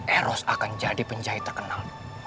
eros akan jadi penjahit terkenal